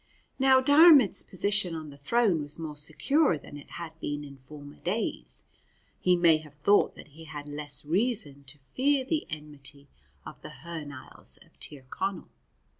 But Diarmaid's position on the throne was more secure than it had been in former days. He may have thought that he had less reason to fear the enmity of the Hy Nialls of Tir Connell.